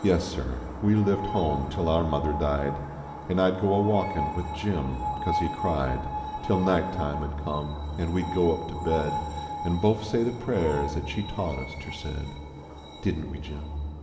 Yes, sir ; we lived home till our mother died, An I d go a walkin with Jim, cause he cried, Till night time ud come, nd we d go up to bed An* bofe say the prayers at she taught us ter said Didn t we, Jim